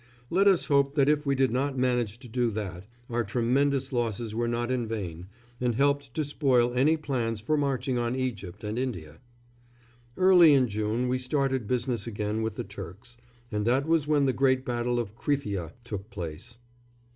Let us hope that if we did not manage to do that, our tremendous losses were not in vain, and helped to spoil any plans for marching on Egypt and India. Early in June we started business again with the Turks, and that was when the great battle of Krithia took place.